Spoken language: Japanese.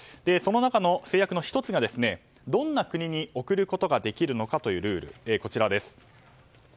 その中の制約の１つがどんな国に送ることができるのかというルール。